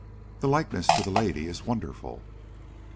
The likeness to the lady is wonderful."